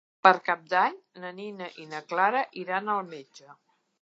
Per Cap d'Any na Nina i na Clara iran al metge.